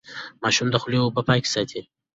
د ماشوم د خولې اوبه پاکې وساتئ.